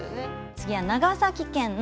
次は長崎県の